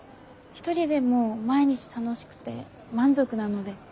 一人でも毎日楽しくて満足なので。